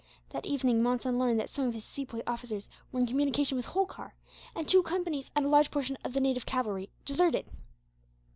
That evening Monson learnt that some of his Sepoy officers were in communication with Holkar; and two companies, and a large portion of the native cavalry deserted.